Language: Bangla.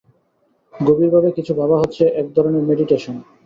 গভীরভাবে কিছু ভাবা হচ্ছে একধরনের মেডিটেশন।